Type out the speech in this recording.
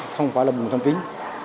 không phải là bùng xâm kín